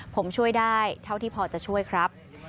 ผมช่วยได้เท่าที่พอจะช่วยครับ